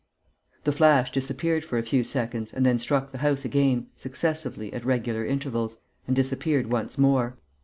The flash disappeared for a few seconds and then struck the house again, successively, at regular intervals, and disappeared once more.